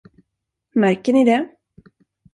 Märker ni det?